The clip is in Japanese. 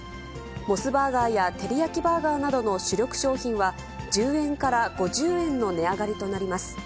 モスバーガーやテリヤキバーガーなどの主力商品は、１０円から５０円の値上がりとなります。